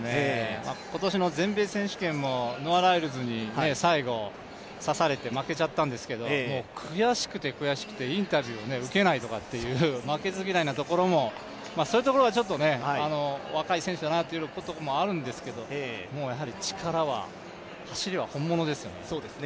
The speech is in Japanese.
今年の全米選手権もノア・ライルズに最後、さされて負けちゃったんですけど悔しくて悔しくて、インタビューを受けないという負けず嫌いなところも、そういうところはちょっと若い選手だなというところもあるんですがやはり力は、走りは本物ですよね。